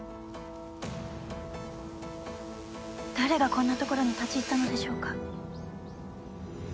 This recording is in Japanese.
誰がこんな所に立ち入ったのでしょうか。